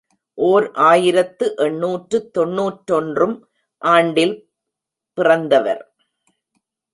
ஓர் ஆயிரத்து எண்ணூற்று தொன்னூற்றொன்று ம் ஆண்டில் பிறந்தவர்.